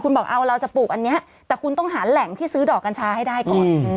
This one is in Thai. คุณบอกเอาเราจะปลูกอันนี้แต่คุณต้องหาแหล่งที่ซื้อดอกกัญชาให้ได้ก่อน